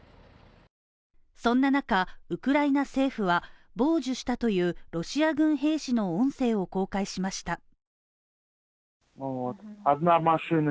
そんな中、ウクライナ政府は傍受したというロシア軍兵士の音声を公開しました。